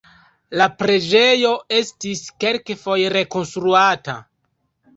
La preĝejo estis kelkfoje rekonstruata.